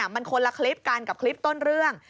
มันคนละคลิปกันกับคลิปต้นเรื่อง